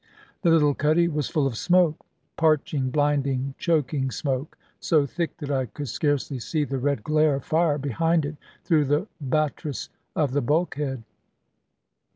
The little cuddy was full of smoke parching, blinding, choking smoke so thick that I could scarcely see the red glare of fire behind it, through the brattice of the bulkhead.